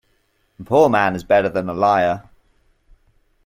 A poor man is better than a liar.